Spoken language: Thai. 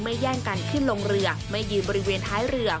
แย่งกันขึ้นลงเรือไม่ยืนบริเวณท้ายเรือ